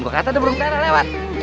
gue kata udah belum pernah lewat